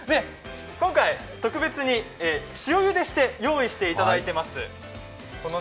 今回、特別に塩ゆでして用意していただいています。